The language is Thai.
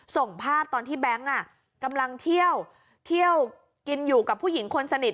ส่งภาพตอนที่แบงค์กำลังเที่ยวเที่ยวกินอยู่กับผู้หญิงคนสนิท